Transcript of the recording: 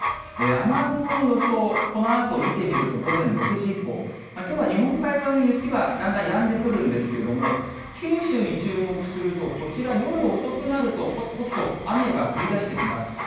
雨雲の予想、このあと見てみると、午前６時以降、きょうは日本海側の雪はだんだんやんでくるんですけれども、九州に注目すると、こちら夜遅くなると、ぽつぽつと雨が降りだしてきます。